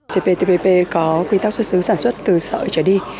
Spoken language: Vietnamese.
cptpp có quy tắc xuất xứ sản xuất từ sợi trở đi